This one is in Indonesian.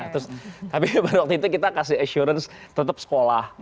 terus tapi pada waktu itu kita kasih assurance tetap sekolah